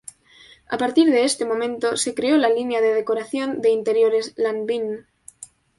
A partir de este momento, se creó la línea de decoración de interiores Lanvin.